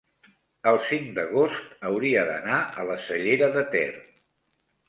el cinc d'agost hauria d'anar a la Cellera de Ter.